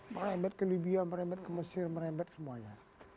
merembet ke libya merembet ke mesir merembet semuanya